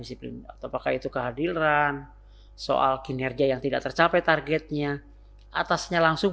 disiplin apakah itu kehadiran soal kinerja yang tidak tercapai targetnya atasnya langsung